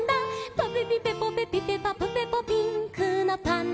「ぱぺぴぺぽぺぴぺぱぷぺぽピンクのパンダ」